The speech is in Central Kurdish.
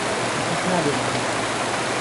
به کهس نابێ بریندار